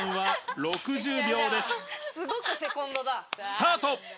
スタート！